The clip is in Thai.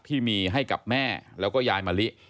ที่มีให้กับแม่แล้วก็ยายมะลิ